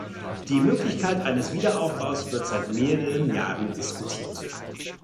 Die Möglichkeit eines Wiederaufbaus wird seit mehreren Jahren diskutiert.